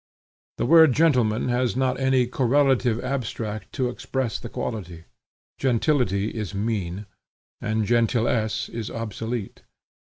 The word gentleman has not any correlative abstract to express the quality. Gentility is mean, and gentilesse is obsolete.